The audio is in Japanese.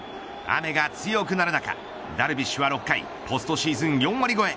雨が強くなる中、ダルビッシュは６回ポストシーズン４割超え